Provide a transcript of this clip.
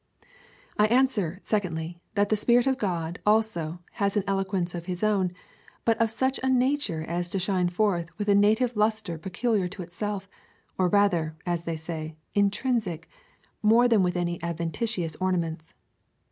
I answer secondly, that the Spirit of God, also, has an eloquence of his own, but of such a nature as to shine forth with a native lustre peculiar to itself, or rather (as they say) intrinsic, more than with any adventitious ornaments.